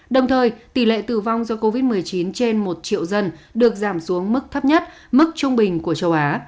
đồng thời tỷ lệ tử vong do covid một mươi chín trên một triệu dân được giảm xuống mức thấp nhất mức trung bình của châu á